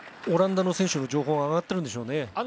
オランダの選手の情報が上がっているんでしょうね。